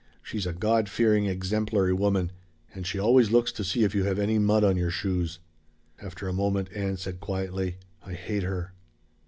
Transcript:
She's a God fearing, exemplary woman. And she always looks to see if you have any mud on your shoes." After a moment Ann said quietly: "I hate her."